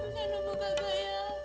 jadi petakmu gini dong